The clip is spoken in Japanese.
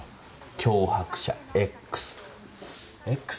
脅迫者Ｘ。